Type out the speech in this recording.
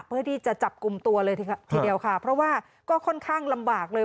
เพื่อที่จะจับกลุ่มตัวเลยทีเดียวค่ะเพราะว่าก็ค่อนข้างลำบากเลย